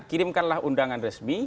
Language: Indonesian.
kirimkanlah undangan resmi